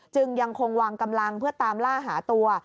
ยังคงวางกำลังเพื่อตามล่าหาตัว